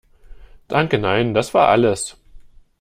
Danke nein, das war alles.